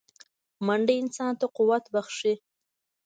منډه انسان ته قوت بښي